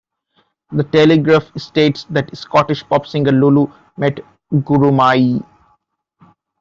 The Telegraph states that Scottish pop singer Lulu met Gurumayi.